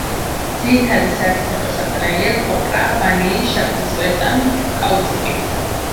ძირითადი საექსპორტო საქონელია: კოპრა, ვანილი, შაქრის ლერწამი, კაუჩუკი.